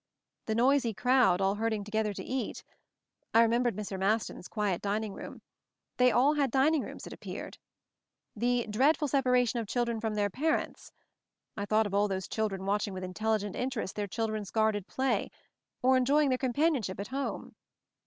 The "noisy crowd all herding together to eat !"— I remembered Mr. Masson's quiet dining room — they all had dining rooms, it appeared. The "dreadful separation of 166 MOVING THE MOUNTAIN children from their parents!" I thought of all those parents watching with intelligent interest their children's guarded play, or enjoying their companionship at home.